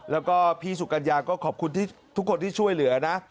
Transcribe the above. แล้วก็พี่สุกัญญาก็ขอบคุณทุกคนที่ช่วยเหลือนะ